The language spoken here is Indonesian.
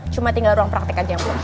cuma tinggal ruang praktek aja bu